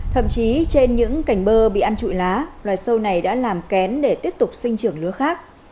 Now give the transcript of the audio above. thậm chí trên những cành bơ bị ăn trụi lá loài sâu này đã làm kén để tiếp tục sinh trưởng lúa khác